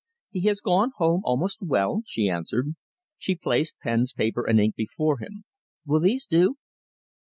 "He has gone home almost well," she answered. She placed pens, paper, and ink before him. "Will these do?"